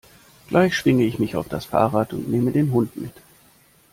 Gleich schwinge ich mich auf das Fahrrad und nehme den Hund mit.